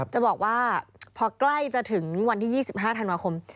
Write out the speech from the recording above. จะบอกว่าพอใกล้จะถึงวันที่๒๕ธันวาคม